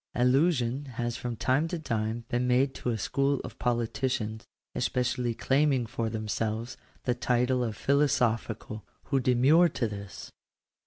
§2. Allusion has from time to time been made to a school of politicians, especially claiming for themselves the title of philo sophical, who demur to this.